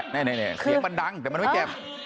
นี่เสียงมันดังแต่มันไม่เจ็บ